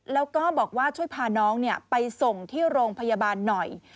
แล้วก็บอกว่าช่วยพาน้องไปส่งที่โรงพยาบาลหน่อย